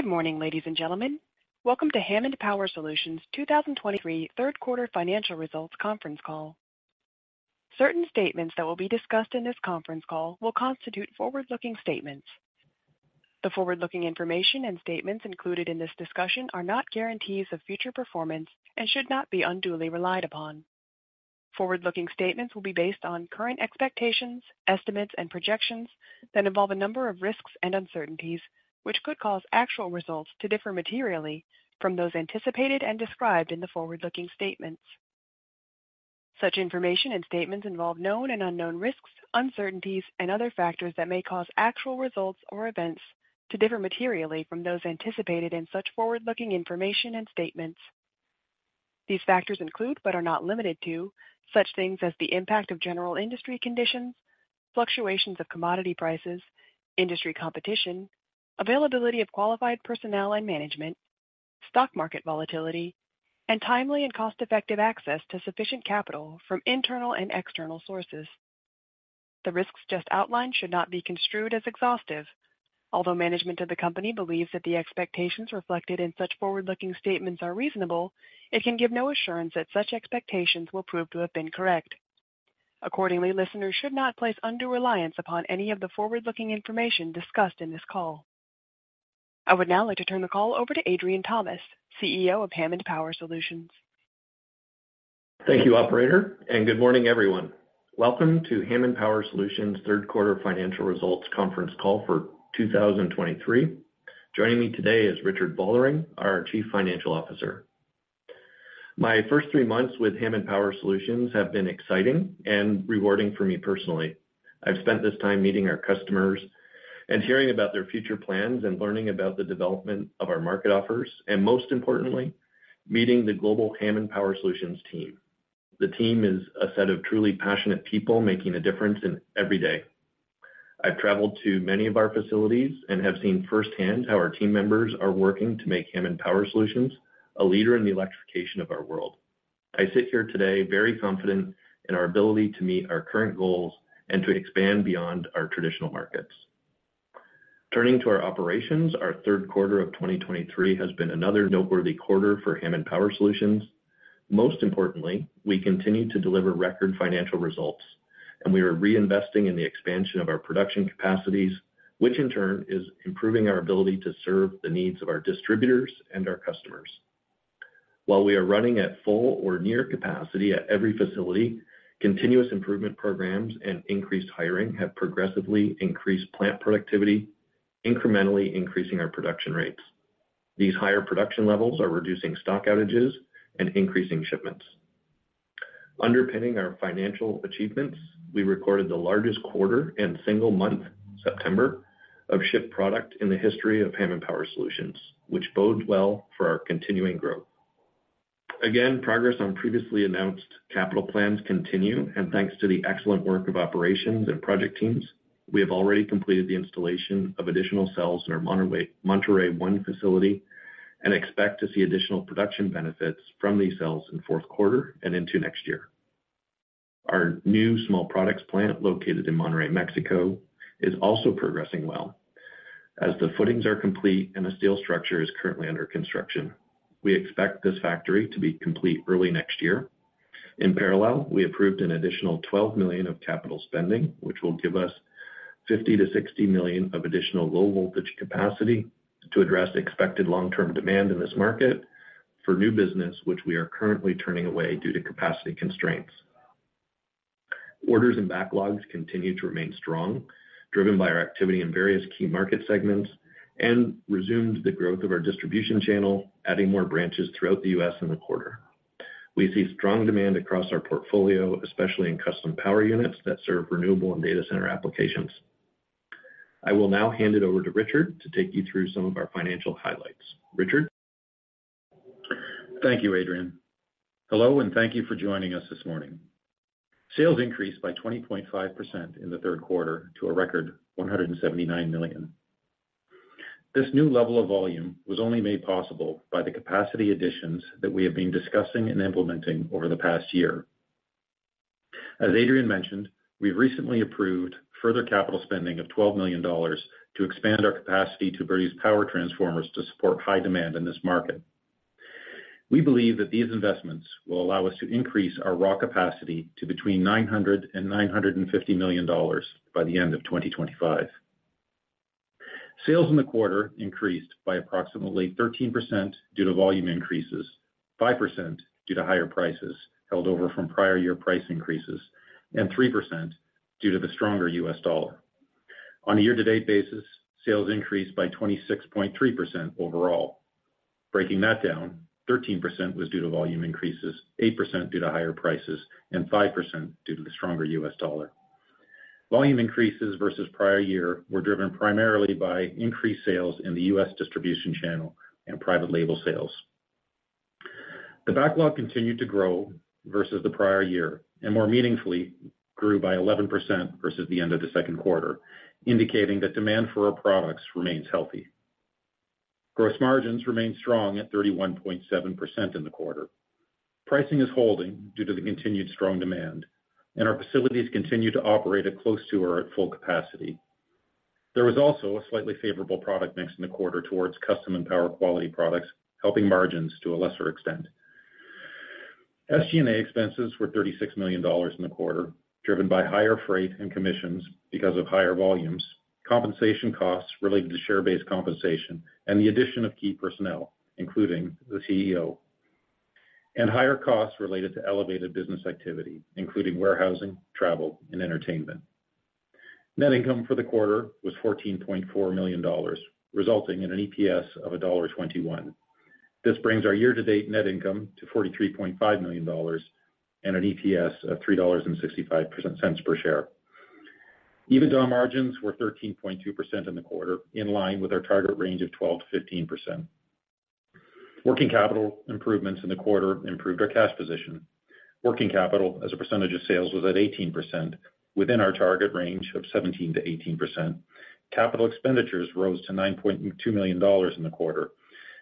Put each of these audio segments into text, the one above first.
Good morning, ladies and gentlemen. Welcome to Hammond Power Solutions' 2023 third quarter financial results conference call. Certain statements that will be discussed in this conference call will constitute forward-looking statements. The forward-looking information and statements included in this discussion are not guarantees of future performance and should not be unduly relied upon. Forward-looking statements will be based on current expectations, estimates, and projections that involve a number of risks and uncertainties, which could cause actual results to differ materially from those anticipated and described in the forward-looking statements. Such information and statements involve known and unknown risks, uncertainties, and other factors that may cause actual results or events to differ materially from those anticipated in such forward-looking information and statements. These factors include, but are not limited to, such things as the impact of general industry conditions, fluctuations of commodity prices, industry competition, availability of qualified personnel and management, stock market volatility, and timely and cost-effective access to sufficient capital from internal and external sources. The risks just outlined should not be construed as exhaustive. Although management of the Company believes that the expectations reflected in such forward-looking statements are reasonable, it can give no assurance that such expectations will prove to have been correct. Accordingly, listeners should not place undue reliance upon any of the forward-looking information discussed in this call. I would now like to turn the call over to Adrian Thomas, CEO of Hammond Power Solutions. Thank you, operator, and good morning, everyone. Welcome to Hammond Power Solutions' third quarter financial results conference call for 2023. Joining me today is Richard Vollering, our Chief Financial Officer. My first three months with Hammond Power Solutions have been exciting and rewarding for me personally. I've spent this time meeting our customers and hearing about their future plans and learning about the development of our market offers, and most importantly, meeting the global Hammond Power Solutions team. The team is a set of truly passionate people making a difference in every day. I've traveled to many of our facilities and have seen firsthand how our team members are working to make Hammond Power Solutions a leader in the electrification of our world. I sit here today very confident in our ability to meet our current goals and to expand beyond our traditional markets. Turning to our operations, our third quarter of 2023 has been another noteworthy quarter for Hammond Power Solutions. Most importantly, we continue to deliver record financial results, and we are reinvesting in the expansion of our production capacities, which in turn is improving our ability to serve the needs of our distributors and our customers. While we are running at full or near capacity at every facility, continuous improvement programs and increased hiring have progressively increased plant productivity, incrementally increasing our production rates. These higher production levels are reducing stock outages and increasing shipments. Underpinning our financial achievements, we recorded the largest quarter and single month, September, of shipped product in the history of Hammond Power Solutions, which bodes well for our continuing growth. Again, progress on previously announced capital plans continue, and thanks to the excellent work of operations and project teams, we have already completed the installation of additional cells in our Monterrey One facility and expect to see additional production benefits from these cells in fourth quarter and into next year. Our new small products plant, located in Monterrey, Mexico, is also progressing well as the footings are complete and the steel structure is currently under construction. We expect this factory to be complete early next year. In parallel, we approved an additional 12 million of capital spending, which will give us 50-60 million of additional low-voltage capacity to address the expected long-term demand in this market for new business, which we are currently turning away due to capacity constraints. Orders and backlogs continue to remain strong, driven by our activity in various key market segments and resumed the growth of our distribution channel, adding more branches throughout the U.S. in the quarter. We see strong demand across our portfolio, especially in custom power units that serve renewable and data center applications. I will now hand it over to Richard to take you through some of our financial highlights. Richard? Thank you, Adrian. Hello, and thank you for joining us this morning. Sales increased by 20.5% in the third quarter to a record 179 million. This new level of volume was only made possible by the capacity additions that we have been discussing and implementing over the past year. As Adrian mentioned, we've recently approved further capital spending of 12 million dollars to expand our capacity to produce power transformers to support high demand in this market. We believe that these investments will allow us to increase our raw capacity to between 900 million dollars and 950 million dollars by the end of 2025. Sales in the quarter increased by approximately 13% due to volume increases, 5% due to higher prices held over from prior year price increases, and 3% due to the stronger US dollar. On a year-to-date basis, sales increased by 26.3% overall. Breaking that down, 13% was due to volume increases, 8% due to higher prices, and 5% due to the stronger US dollar. Volume increases versus prior year were driven primarily by increased sales in the U.S. distribution channel and private label sales. The backlog continued to grow versus the prior year and more meaningfully grew by 11% versus the end of the second quarter, indicating that demand for our products remains healthy. Gross margins remained strong at 31.7% in the quarter. Pricing is holding due to the continued strong demand, and our facilities continue to operate at close to or at full capacity. There was also a slightly favorable product mix in the quarter towards custom and power quality products, helping margins to a lesser extent. SG&A expenses were $36 million in the quarter, driven by higher freight and commissions because of higher volumes, compensation costs related to share-based compensation, and the addition of key personnel, including the CEO. Higher costs related to elevated business activity, including warehousing, travel, and entertainment. Net income for the quarter was $14.4 million, resulting in an EPS of $1.21. This brings our year-to-date net income to $43.5 million and an EPS of $3.65 per share. EBITDA margins were 13.2% in the quarter, in line with our target range of 12%-15%. Working capital improvements in the quarter improved our cash position. Working capital as a percentage of sales was at 18%, within our target range of 17%-18%. Capital expenditures rose to 9.2 million dollars in the quarter,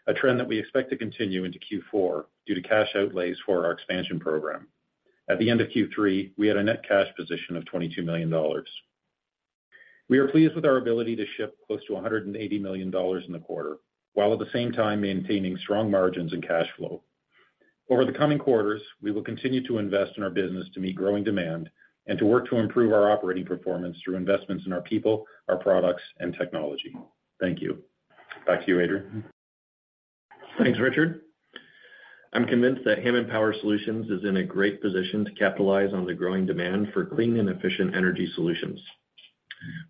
a trend that we expect to continue into Q4 due to cash outlays for our expansion program. At the end of Q3, we had a net cash position of 22 million dollars. We are pleased with our ability to ship close to 180 million dollars in the quarter, while at the same time maintaining strong margins and cash flow. Over the coming quarters, we will continue to invest in our business to meet growing demand and to work to improve our operating performance through investments in our people, our products, and technology. Thank you. Back to you, Adrian. Thanks, Richard. I'm convinced that Hammond Power Solutions is in a great position to capitalize on the growing demand for clean and efficient energy solutions.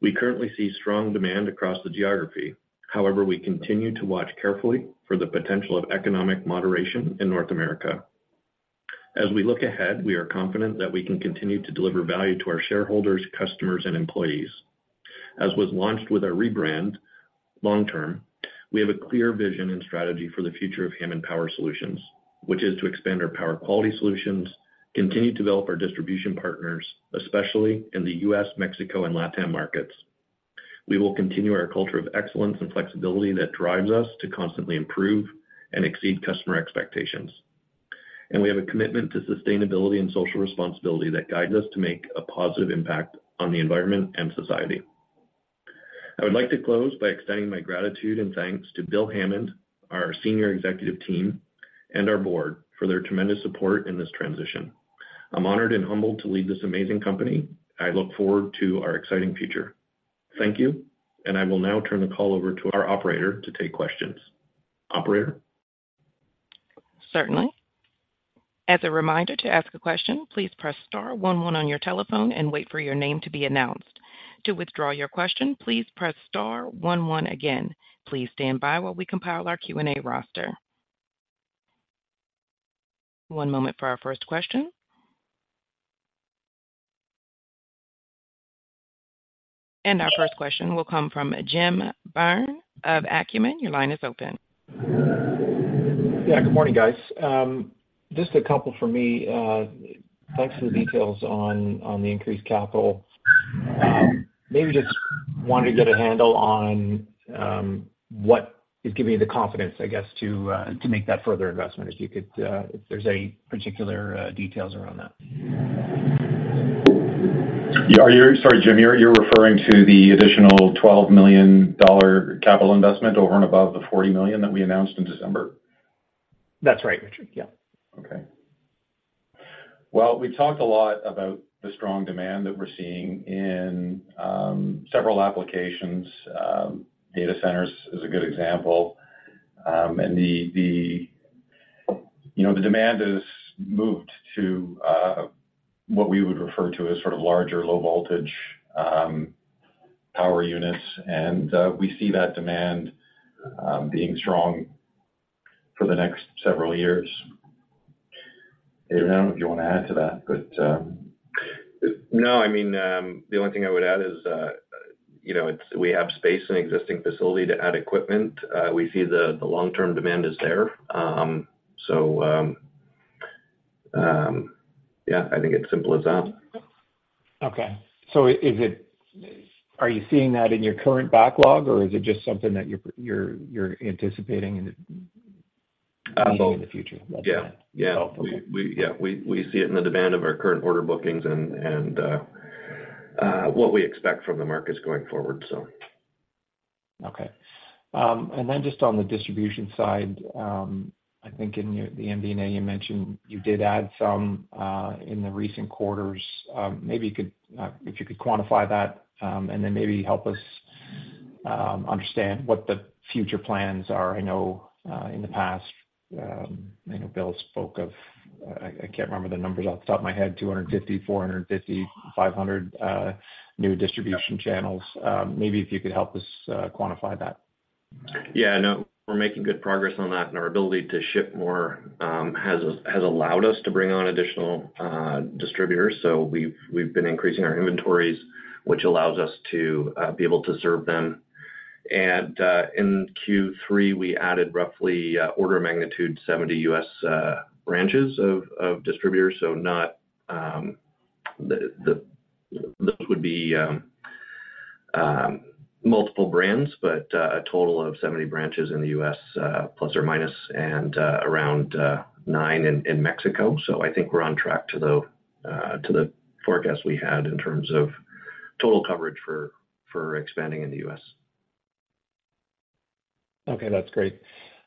We currently see strong demand across the geography. However, we continue to watch carefully for the potential of economic moderation in North America. As we look ahead, we are confident that we can continue to deliver value to our shareholders, customers, and employees. As was launched with our rebrand, long term, we have a clear vision and strategy for the future of Hammond Power Solutions, which is to expand our power quality solutions, continue to develop our distribution partners, especially in the U.S., Mexico, and LATAM markets. We will continue our culture of excellence and flexibility that drives us to constantly improve and exceed customer expectations. We have a commitment to sustainability and social responsibility that guides us to make a positive impact on the environment and society. I would like to close by extending my gratitude and thanks to Bill Hammond, our senior executive team, and our board for their tremendous support in this transition. I'm honored and humbled to lead this amazing company. I look forward to our exciting future. Thank you, and I will now turn the call over to our operator to take questions. Operator? Certainly. As a reminder, to ask a question, please press star 11 on your telephone and wait for your name to be announced. To withdraw your question, please press star one one again. Please stand by while we compile our Q&A roster. One moment for our first question. Our first question will come from Jim Byrne of Acumen. Your line is open. Yeah, good morning, guys. Just a couple for me. Thanks for the details on the increased capital. Maybe just wanted to get a handle on what is giving you the confidence, I guess, to make that further investment, if you could, if there's any particular details around that? Yeah. Sorry, Jim, you're referring to the additional 12 million dollar capital investment over and above the 40 million that we announced in December? That's right, Richard. Yeah. Okay. Well, we talked a lot about the strong demand that we're seeing in several applications. Data centers is a good example. And, you know, the demand has moved to what we would refer to as sort of larger low voltage power units, and we see that demand being strong for the next several years. I don't know if you want to add to that, but. No, I mean, the only thing I would add is, you know, it's we have space and existing facility to add equipment. We see the long-term demand is there. Yeah, I think it's simple as that. Okay. So is it—are you seeing that in your current backlog, or is it just something that you're anticipating in the- Uh, both. In the future? Yeah. Yeah. Okay. We see it in the demand of our current order bookings and what we expect from the markets going forward, so. Okay. And then just on the distribution side, I think in the MD&A, you mentioned you did add some in the recent quarters. Maybe you could, if you could quantify that, and then maybe help us understand what the future plans are. I know in the past, I know Bill spoke of, I can't remember the numbers off the top of my head, 250, 450, 500 new distribution channels. Maybe if you could help us quantify that. Yeah, no, we're making good progress on that, and our ability to ship more has allowed us to bring on additional distributors. So we've been increasing our inventories, which allows us to be able to serve them. And in Q3, we added roughly order magnitude 70 US branches of distributors. So not the... Those would be-... multiple brands, but a total of 70 branches in the U.S., plus or minus, and around nine in Mexico. So I think we're on track to the forecast we had in terms of total coverage for expanding in the U.S. Okay, that's great.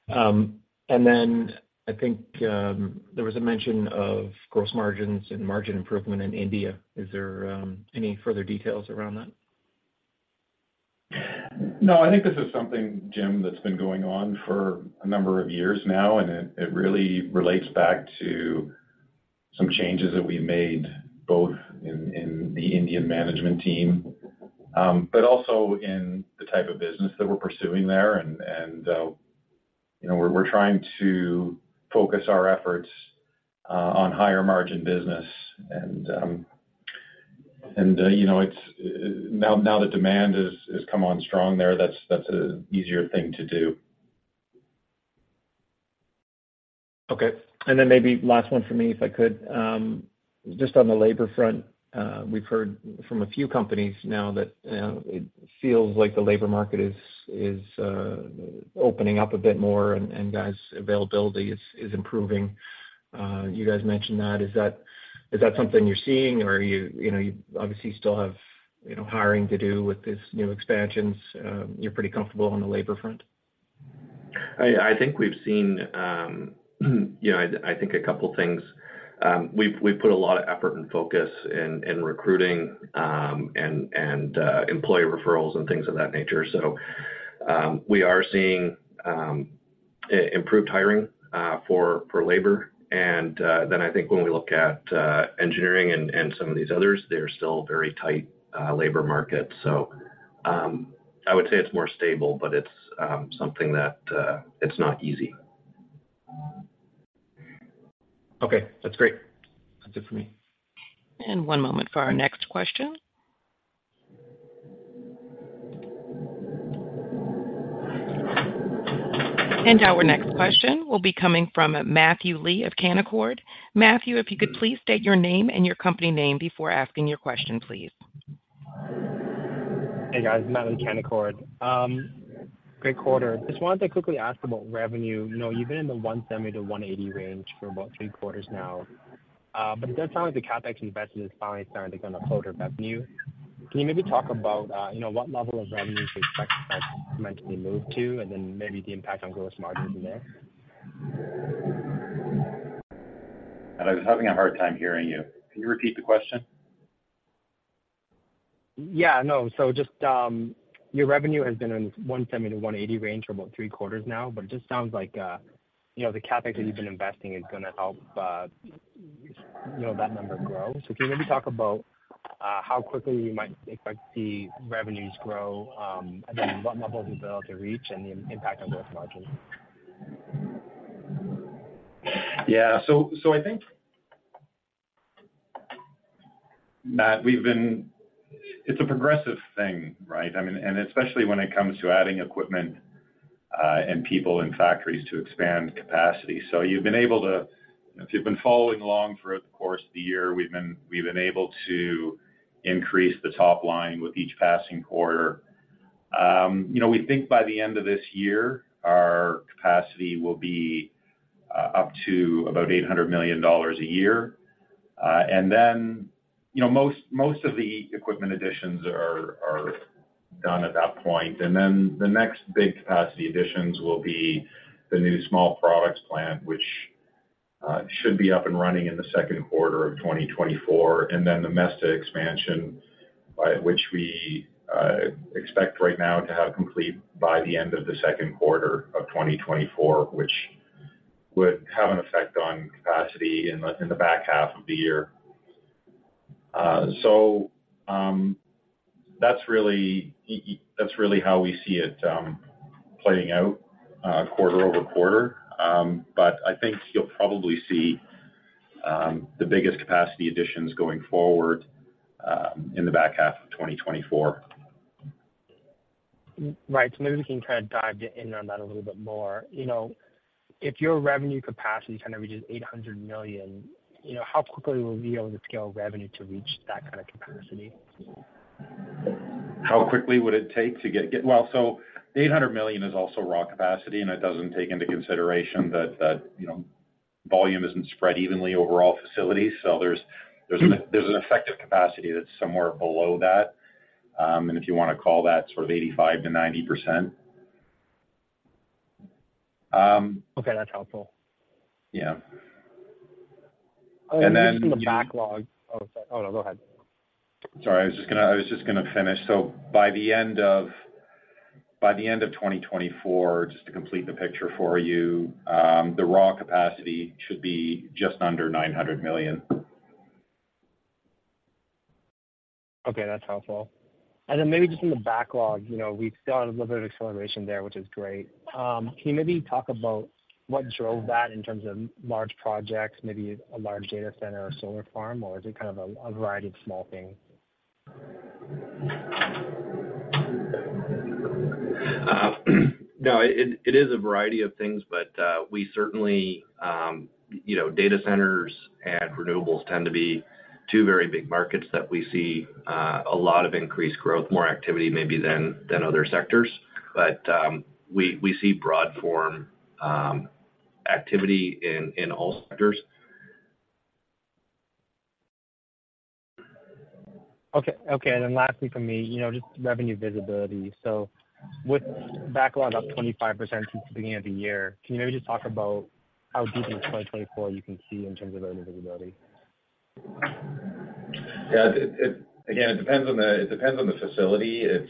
And then I think, there was a mention of gross margins and margin improvement in India. Is there, any further details around that? No, I think this is something, Jim, that's been going on for a number of years now, and it really relates back to some changes that we made, both in the Indian management team, but also in the type of business that we're pursuing there. And you know, we're trying to focus our efforts on higher margin business. And you know, it's now that demand has come on strong there, that's an easier thing to do. Okay. And then maybe last one for me, if I could. Just on the labor front, we've heard from a few companies now that it feels like the labor market is opening up a bit more and guys' availability is improving. You guys mentioned that. Is that something you're seeing or are you, you know, you obviously still have, you know, hiring to do with these new expansions. You're pretty comfortable on the labor front? I think we've seen, you know, I think a couple things. We've put a lot of effort and focus in recruiting and employee referrals and things of that nature. So, we are seeing improved hiring for labor. And then I think when we look at engineering and some of these others, they're still very tight labor markets. So, I would say it's more stable, but it's something that it's not easy. Okay, that's great. That's it for me. One moment for our next question. Our next question will be coming from Matthew Lee of Canaccord. Matthew, if you could please state your name and your company name before asking your question, please. Hey, guys, Matthew, Canaccord. Great quarter. Just wanted to quickly ask about revenue. You know, you've been in the $170 million-$180 million range for about three quarters now. It does sound like the CapEx investment is finally starting to kind of close your revenue. Can you maybe talk about, you know, what level of revenue to expect to move to and then maybe the impact on gross margins in there? I was having a hard time hearing you. Can you repeat the question? Yeah, no. So just, your revenue has been in 170 million-180 million range for about three quarters now, but it just sounds like, you know, the CapEx that you've been investing is gonna help, you know, that number grow. So can you maybe talk about, how quickly you might expect to see revenues grow, and then what levels you be able to reach and the impact on gross margins? Yeah. So I think, Matthew, we've been—it's a progressive thing, right? I mean, and especially when it comes to adding equipment and people in factories to expand capacity. So you've been able to—if you've been following along throughout the course of the year, we've been able to increase the top line with each passing quarter. You know, we think by the end of this year, our capacity will be up to about 800 million dollars a year. And then, you know, most of the equipment additions are done at that point. And then the next big capacity additions will be the new small products plant, which should be up and running in the second quarter of 2024, and then the Monterrey expansion, by which we expect right now to have complete by the end of the second quarter of 2024, which would have an effect on capacity in the back half of the year. So, that's really that's really how we see it playing out quarter-over-quarter. But I think you'll probably see the biggest capacity additions going forward in the back half of 2024. Right. So maybe we can kind of dive in on that a little bit more. You know, if your revenue capacity kind of reaches 800 million, you know, how quickly will we be able to scale revenue to reach that kind of capacity? How quickly would it take to get... Well, so the 800 million is also raw capacity, and it doesn't take into consideration that, you know, volume isn't spread evenly over all facilities. So there's an effective capacity that's somewhere below that. And if you wanna call that sort of 85%-90%, Okay, that's helpful. Yeah. And then- Just in the backlog. Oh, sorry. Oh, no, go ahead. Sorry, I was just gonna finish. So by the end of 2024, just to complete the picture for you, the raw capacity should be just under 900 million. Okay, that's helpful. And then maybe just in the backlog, you know, we've seen a little bit of acceleration there, which is great. Can you maybe talk about what drove that in terms of large projects, maybe a large data center or solar farm, or is it kind of a, a variety of small things?... No, it is a variety of things, but we certainly, you know, data centers and renewables tend to be two very big markets that we see a lot of increased growth, more activity maybe than other sectors. But we see broad form activity in all sectors. Okay, okay. Lastly, for me, you know, just revenue visibility. With backlog up 25% since the beginning of the year, can you maybe just talk about how deep into 2024 you can see in terms of early visibility? Yeah, again, it depends on the facility. It's,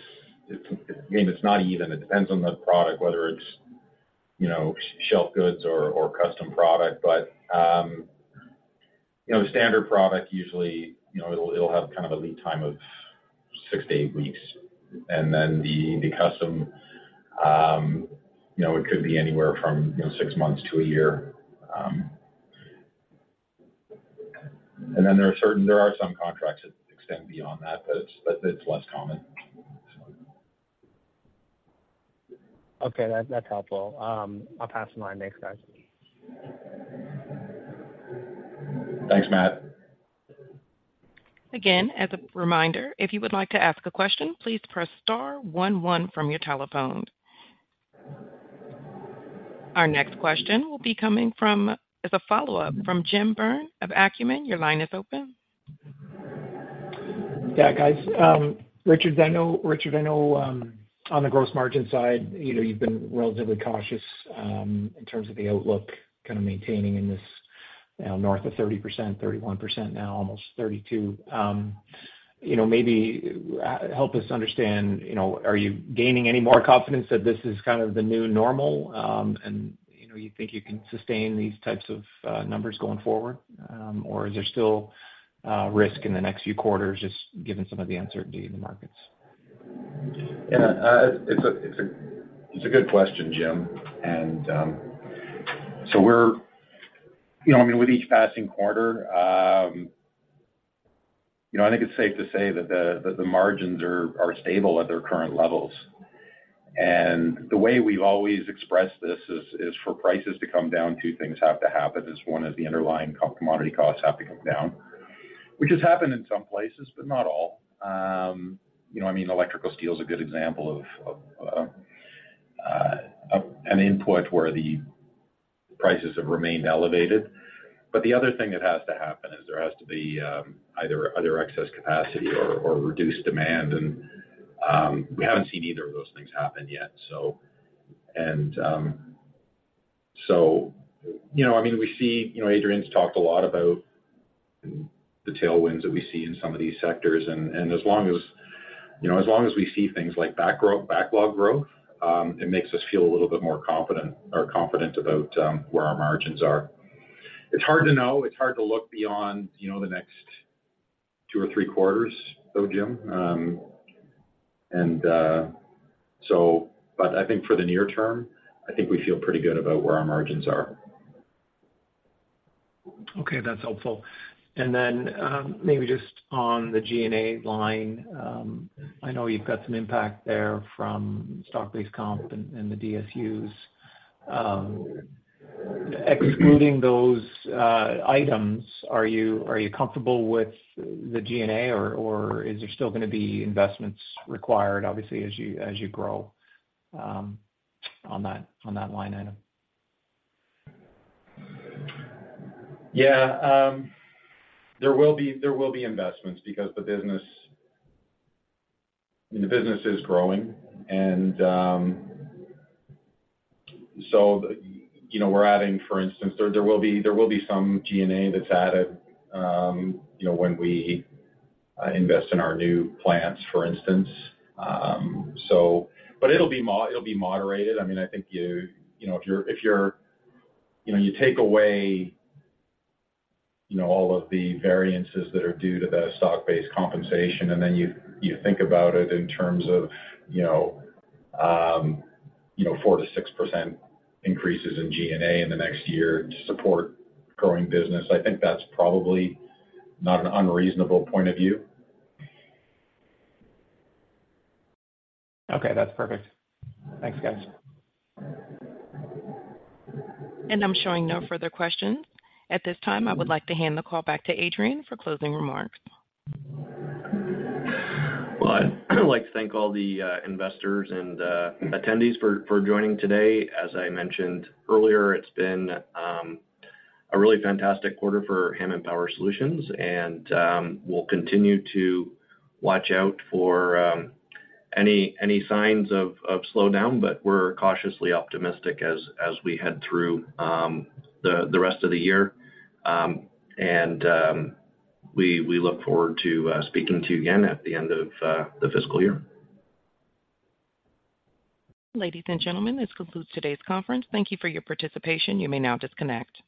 I mean, it's not even it depends on the product, whether it's, you know, shelf goods or custom product. But, you know, standard product, usually, you know, it'll have kind of a lead time of six to eight weeks. And then the custom, you know, it could be anywhere from, you know, six months to a year. And then there are certain—there are some contracts that extend beyond that, but it's less common. Okay, that, that's helpful. I'll pass the line. Thanks, guys. Thanks, Matthew. Again, as a reminder, if you would like to ask a question, please press star one one from your telephone. Our next question will be coming from, as a follow-up from Jim Byrne of Acumen. Your line is open. Yeah, guys. Richard, I know, on the gross margin side, you know, you've been relatively cautious in terms of the outlook, kind of maintaining in this, you know, north of 30%, 31%, now almost 32%. You know, maybe help us understand, you know, are you gaining any more confidence that this is kind of the new normal, and, you know, you think you can sustain these types of numbers going forward? Or is there still risk in the next few quarters, just given some of the uncertainty in the markets? Yeah, it's a good question, Jim. And, so we're... You know, I mean, with each passing quarter, you know, I think it's safe to say that the margins are stable at their current levels. And the way we've always expressed this is for prices to come down, two things have to happen, one, the underlying commodity costs have to come down, which has happened in some places, but not all. You know, I mean, electrical steel is a good example of an input where the prices have remained elevated. But the other thing that has to happen is there has to be either excess capacity or reduced demand, and we haven't seen either of those things happen yet. You know, I mean, we see, you know, Adrian's talked a lot about the tailwinds that we see in some of these sectors, and as long as, you know, as long as we see things like backlog growth, it makes us feel a little bit more confident or confident about, you know, where our margins are. It's hard to know. It's hard to look beyond, you know, the next two or three quarters, though, Jim. I think for the near term, I think we feel pretty good about where our margins are. Okay, that's helpful. And then, maybe just on the G&A line, I know you've got some impact there from stock-based comp and, and the DSUs. Excluding those items, are you, are you comfortable with the G&A, or, or is there still gonna be investments required, obviously, as you, as you grow, on that, on that line item? Yeah. There will be, there will be investments because the business, the business is growing. And, you know, we're adding, for instance, there will be, there will be some G&A that's added, you know, when we invest in our new plants, for instance. So, but it'll be mo- it'll be moderated. I mean, I think you, you know, if you're, if you're- you know, you take away, you know, all of the variances that are due to the stock-based compensation, and then you, you think about it in terms of, you know, 4% to 6% increases in G&A in the next year to support growing business. I think that's probably not an unreasonable point of view. Okay, that's perfect. Thanks, guys. I'm showing no further questions. At this time, I would like to hand the call back to Adrian for closing remarks. Well, I'd like to thank all the investors and attendees for joining today. As I mentioned earlier, it's been a really fantastic quarter for Hammond Power Solutions, and we'll continue to watch out for any signs of slowdown, but we're cautiously optimistic as we head through the rest of the year. And we look forward to speaking to you again at the end of the fiscal year. Ladies and gentlemen, this concludes today's conference. Thank you for your participation. You may now disconnect.